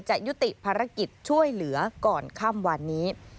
จะยุติภารกิจช่วยเหลือก่อนค่ำวันนี้